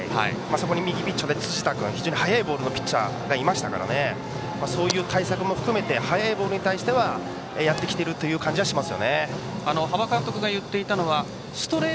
そこに右ピッチャーで非常に速いボールのピッチャーがいましたがそういう対策も含めて速いボールに対してはやってきているという感じがします。